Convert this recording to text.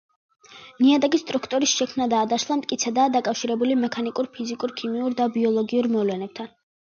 ნიადაგის სტრუქტურის შექმნა და დაშლა მტკიცედაა დაკავშირებული მექანიკურ, ფიზიკურ-ქიმიურ და ბიოლოგიურ მოვლენებთან.